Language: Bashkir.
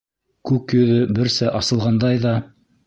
Күк йөҙө берсә асылғандай ҙа.